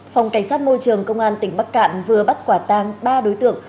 phòng cảnh sát môi trường công an tỉnh bắc cạn vừa bắt quả tang ba đối tượng